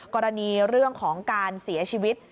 กรณีเรื่องของการเสียชีวิต